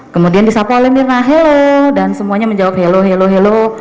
kemudian disapa oleh nirna hello dan semuanya menjawab hello hello hello